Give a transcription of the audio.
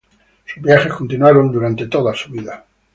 Sus viajes continuaron durante toda su vida.